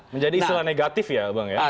menjadi istilah negatif ya bang ya